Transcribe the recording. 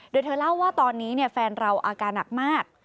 โดยเธอเล่าว่าตอนนี้แฟนเราอาการหนักมาก